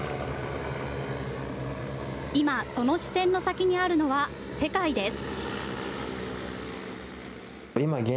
今、その視線の先にあるのは、世界です。